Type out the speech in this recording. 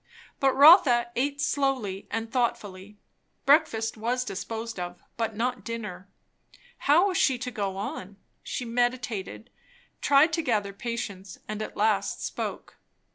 But Rotha eat slowly and thoughtfully. Breakfast was disposed of, but not dinner. How was she to go on? She meditated, tried to gather patience, and at last spoke.